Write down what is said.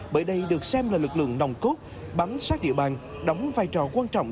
bởi đây được xem là lực lượng nồng cốt bám sát địa bàn đóng vai trò quan trọng